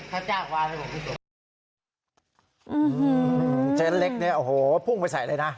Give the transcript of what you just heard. อืมเจ๊เล็กนี้โอ้โหพุ่งไปใส่เลยนะ